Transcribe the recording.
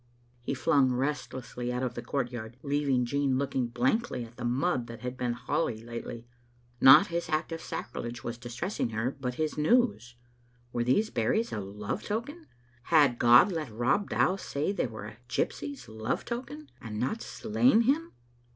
He flung recklessly out of the courtyard, leaving Jean looking blankly at the mud that had been holly lately. Not his act of sacrilege was distressing her, but his news. Were these berries a love token? Had God let Rob Dow say they were a gypsy's love token, and not slain him?